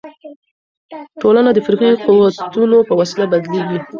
ټولنه د فکري قوتونو په وسیله بدلیږي.